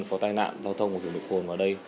có tai nạn giao thông của thủy mục hồn vào đây